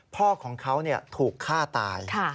พ่อของเขาถูกฆ่าตาย